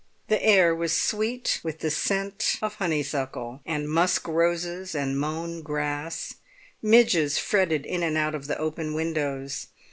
The air was sweet with the scent of honeysuckle and musk roses and mown grass; midges fretted in and out of the open windows.